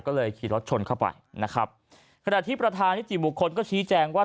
ก็เลยขี่รถชนเข้าไปนะครับขณะที่ประธานนิติบุคคลก็ชี้แจงว่า